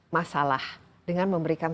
masalah dengan memberikan